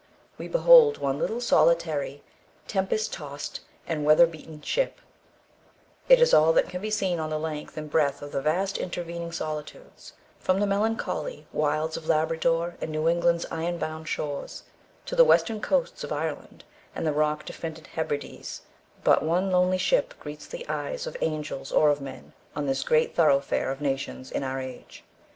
we behold one little solitary tempest tost and weather beaten ship; it is all that can be seen on the length and breadth of the vast intervening solitudes, from the melancholy wilds of Labrador and New England's ironbound shores, to the western coasts of Ireland and the rock defended Hebrides, but one lonely ship greets the eye of angels or of men, on this great throughfare of nations in our age.